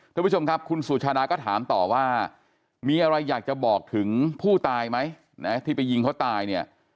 ท่านผู้ชมครับคุณสุชาดาก็ถามต่อว่ามีอะไรอยากจะบอกถึงผู้ตายไหมนะที่ไปยิงเขาตายเนี่ย